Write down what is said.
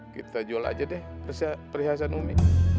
kita jual aja deh perhiasan unik